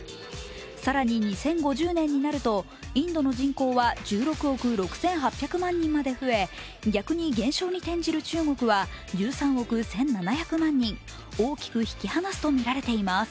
更に２０５０年になるとインドの人口は１６億６８００万人にまで増え逆に減少に転じる中国は、１３億１７００万人、大きく引き離すとみられています。